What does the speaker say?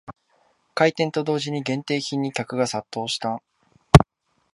開店と同時に限定品に客が殺到した